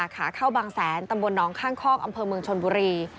ขาเข้าบางแสนตำบลน้องข้างคอกอำเภอเมืองชนบุรี